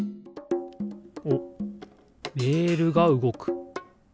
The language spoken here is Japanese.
おっレールがうごく。